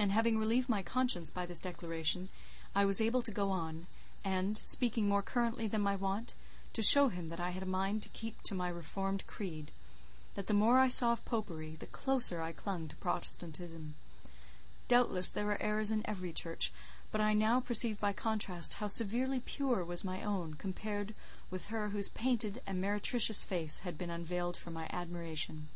And having relieved my conscience by this declaration, I was able to go on, and, speaking more currently and clearly than my wont, to show him that I had a mind to keep to my reformed creed; the more I saw of Popery the closer I clung to Protestantism; doubtless there were errors in every church, but I now perceived by contrast how severely pure was my own, compared with her whose painted and meretricious face had been unveiled for my admiration.